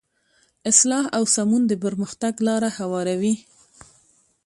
اصلاح او سمون د پرمختګ لاره هواروي.